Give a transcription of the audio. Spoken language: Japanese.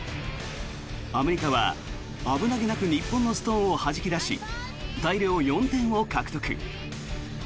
アメリカは危なげなく日本のストーンをはじき出し大量４点を獲得。